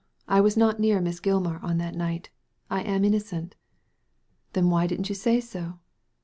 I was not near Miss Gilmar on that night I am innocent." " Then why didn't you say so